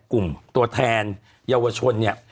กลุ่มตัวแทนเยาวชนเนี่ย